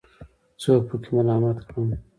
څوک پکې ملامت کړم.